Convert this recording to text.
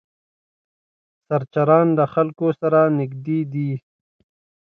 سرچران له خلکو سره نږدې دي.